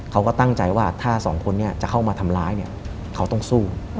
เขาก็ตั้งใจว่าถ้าสองคนนี้จะเข้ามาทำร้ายเนี่ยเขาต้องสู้